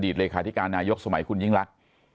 อดีตเลยค่ะที่การนายกสมัยคุณยิ่งรัก